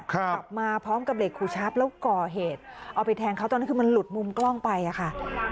ขับมาพร้อมกับเหล็กขูชับแล้วก่อเหตุเอาไปแทงเขาตอนนั้นคือมันหลุดมุมกล้องไปอ่ะค่ะ